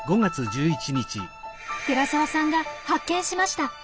寺沢さんが発見しました。